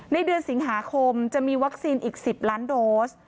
ในเดือนสิงหาคมจะมีวัคซีนอีก๑๐ล้านโดส